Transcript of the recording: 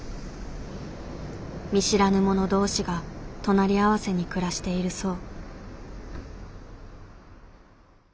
見知らぬ者同士が隣り合わせに暮らしているそう。